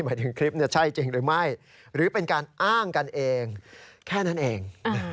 หมายถึงคลิปใช่จริงหรือไม่หรือเป็นการอ้างกันเองแค่นั้นเอง